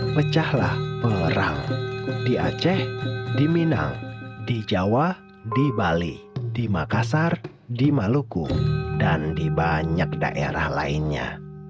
pecahlah perang di aceh di minang di jawa di bali di makassar di maluku dan di banyak daerah lainnya